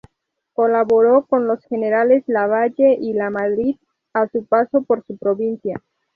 Colaboró con los generales Lavalle y Lamadrid a su paso por su provincia.